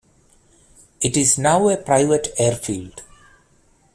It is now a private airfield.